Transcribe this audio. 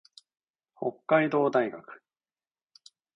北海道大学